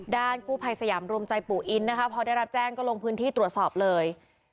กู้ภัยสยามรวมใจปู่อินนะคะพอได้รับแจ้งก็ลงพื้นที่ตรวจสอบเลย